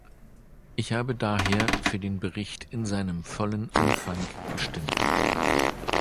Ich habe daher für den Bericht in seinem vollen Umfang gestimmt.